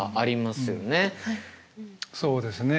そうですね。